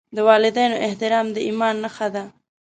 د والدینو احترام د ایمان نښه ده.